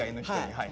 はい。